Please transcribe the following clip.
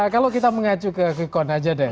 kalau kita mengacu ke kekon aja deh